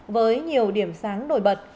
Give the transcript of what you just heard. với nhiều điểm sáng nổi bật